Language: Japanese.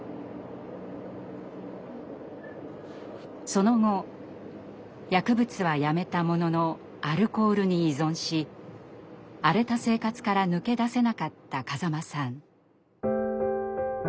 その後薬物はやめたもののアルコールに依存し荒れた生活から抜け出せなかった風間さん。